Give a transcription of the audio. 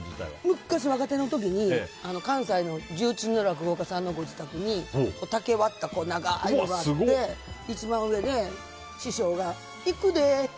昔、若手の時に関西の重鎮の落語家さんのご自宅に竹を割った長いのがあって一番上で、師匠が行くでー！って。